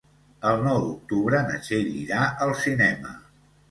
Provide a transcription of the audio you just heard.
El nou d'octubre na Txell irà al cinema.